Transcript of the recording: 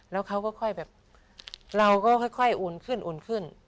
แล้วเขาก็ค่อยแบบเราก็ค่อยอุ่นขึ้นอุ่นขึ้น